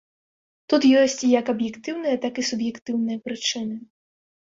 Тут ёсць як аб'ектыўныя, так і суб'ектыўныя прычыны.